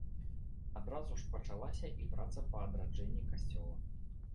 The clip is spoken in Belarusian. Адразу ж пачалася і праца па адраджэнні касцёла.